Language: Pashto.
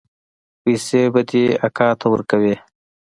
پيسې به دې اکا ته ورکوې.